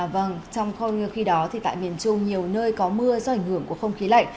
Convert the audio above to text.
vâng trong không như khi đó thì tại miền trung nhiều nơi có mưa do ảnh hưởng của không khí lạnh